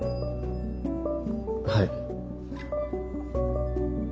はい。